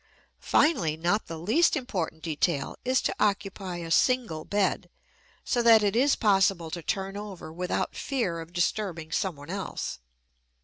Finally, not the least important detail is to occupy a single bed, so that it is possible to turn over without fear of disturbing someone else.